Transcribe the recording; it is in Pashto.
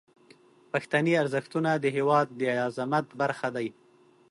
پښتني ارزښتونه د هیواد د عظمت برخه دي.